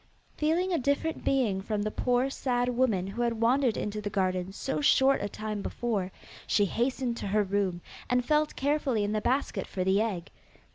Feeling a different being from the poor sad woman who had wandered into the garden so short a time before, she hastened to her room, and felt carefully in the basket for the egg.